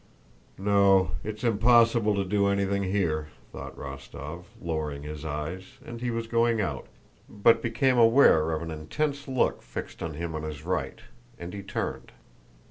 "No, it's impossible to do anything here," thought Rostóv, lowering his eyes, and he was going out, but became aware of an intense look fixed on him on his right, and he turned.